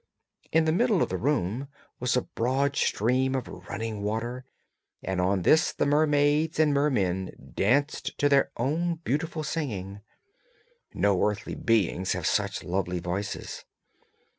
In the middle of the room was a broad stream of running water, and on this the mermaids and mermen danced to their own beautiful singing. No earthly beings have such lovely voices.